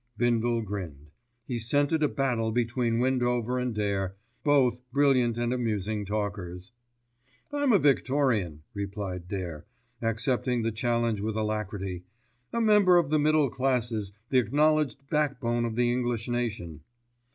Bindle grinned. He scented a battle between Windover and Dare, both brilliant and amusing talkers. "I'm a Victorian," replied Dare, accepting the challenge with alacrity, "a member of the middle classes, the acknowledged backbone of the English nation."